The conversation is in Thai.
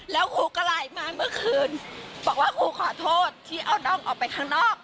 แล้วกูก็ไลน์มาเมื่อคืนบอกว่ากูขอโทษที่เอาน้องออกไปข้างนอก